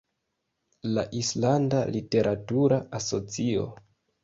La Islanda literatura asocio.